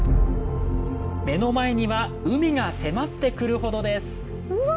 目の前には海が迫ってくるほどですうわ！